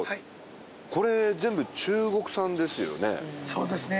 そうですね。